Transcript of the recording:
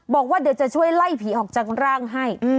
บอกว่าเดี๋ยวจะช่วยไล่ผีออกจากร่างให้